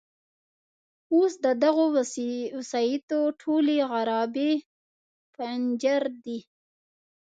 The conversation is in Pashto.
اوس د دغو وسایطو ټولې عرابې پنجر دي.